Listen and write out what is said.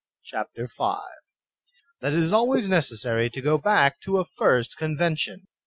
* CHAPTER V. That It Is Always Necessary to Go Back to a First Convention.